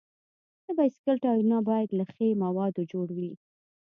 د بایسکل ټایرونه باید له ښي موادو جوړ وي.